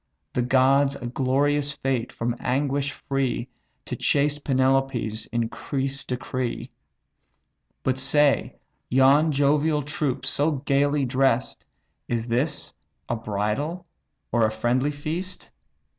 The gods a glorious fate from anguish free To chaste Penelope's increase decree. But say, yon jovial troops so gaily dress'd, Is this a bridal or a friendly feast?